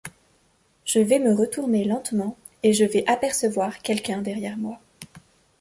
Je vais me retourner lentement et je vais apercevoir quelqu’un derrière moi.